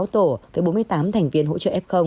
sáu tổ với bốn mươi tám thành viên hỗ trợ f